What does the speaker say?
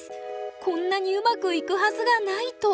こんなにうまくいくはずがないと。